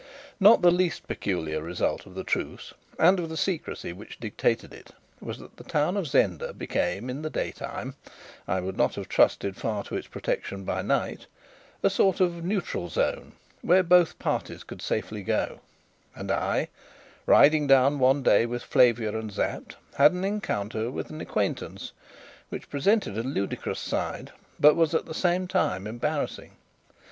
Not the least peculiar result of the truce and of the secrecy which dictated it was that the town of Zenda became in the day time I would not have trusted far to its protection by night a sort of neutral zone, where both parties could safely go; and I, riding down one day with Flavia and Sapt, had an encounter with an acquaintance, which presented a ludicrous side, but was at the same time embarrassing.